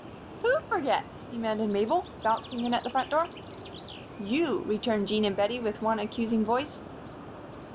"Who forgets?" demanded Mabel, bouncing in at the front door. "You," returned Jean and Bettie, with one accusing voice.